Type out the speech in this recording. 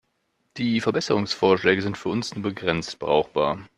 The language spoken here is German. Die Verbesserungsvorschläge sind für uns nur begrenzt brauchbar.